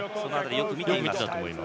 よく見ていたと思います。